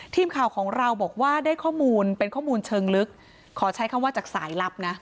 ทีมข่าวของเราบอกว่าได้ข้อมูลเป็นข้อมูลเชิงลึกขอใช้คำว่าจากสายลับนะ